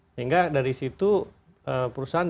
sehingga dari situ perusahaan